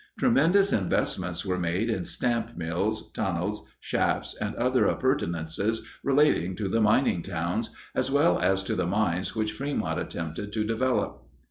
Tremendous investments were made in stamp mills, tunnels, shafts, and the other appurtenances related to the mining towns as well as to the mines which Frémont attempted to develop.